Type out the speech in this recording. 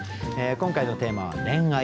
今回のテーマは「恋愛」。